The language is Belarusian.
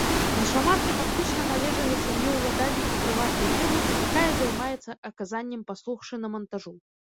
Іншамаркі фактычна належалі сям'і ўладальніка прыватнай фірмы, якая займаецца аказаннем паслуг шынамантажу.